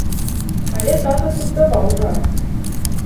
Але тата тут даваў жару.